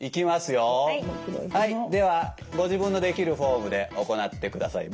はいではご自分のできるフォームで行ってください。